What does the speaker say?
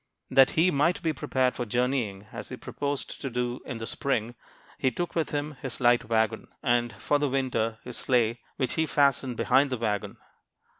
That he might be prepared for journeying, as he proposed to do in the spring, he took with him his light wagon, and for the winter his sleigh, which he fastened behind the wagon.